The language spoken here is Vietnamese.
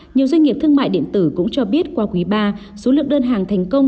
nhiều doanh nghiệp thương mại điện tử cũng cho biết qua quý ba số lượng đơn hàng thành công